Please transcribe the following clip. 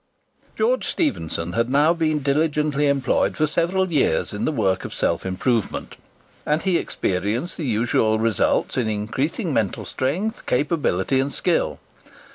George Stephenson had now been diligently employed for several years in the work of self improvement, and he experienced the usual results in increasing mental strength, capability, and skill.